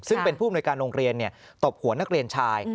ซึ่งเป็นผู้อำนวยการโรงเรียนตบหัวนักเรียนชาย